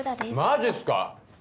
マジっすか？